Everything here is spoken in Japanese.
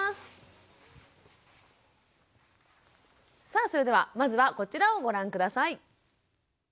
さあそれではまずはこちらをご覧下さい。